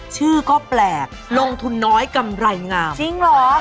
ชื่อก็แปลกลงทุนน้อยกำไรงามจริงเหรอ